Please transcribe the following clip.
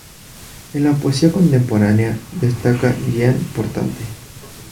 En la poesía contemporánea destaca Jean Portante.